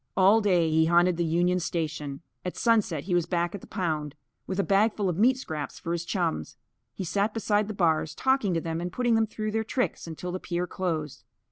All day he haunted the Union Station. At sunset he was back at the pound, with a bagful of meat scraps for his chums. He sat beside the bars, talking to them and putting them through their tricks until the pier closed.